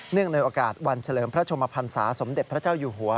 ในโอกาสวันเฉลิมพระชมพันศาสมเด็จพระเจ้าอยู่หัว